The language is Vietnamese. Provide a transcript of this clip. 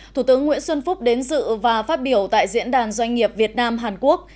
thủ tướng nguyễn xuân phúc đến dự và phát biểu tại diễn đàn doanh nghiệp việt nam hàn quốc